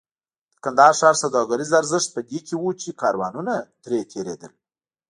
د کندهار ښار سوداګریز ارزښت په دې کې و چې کاروانونه ترې تېرېدل.